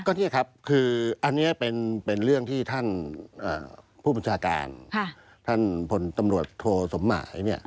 ก็เนี่ยครับคืออันนี้เป็นเรื่องที่ท่านผู้บัญชาการท่านพลตำรวจโทสมหมาย